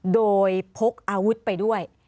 โดยพกอาวุธไปด้วย